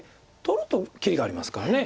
取ると切りがありますから。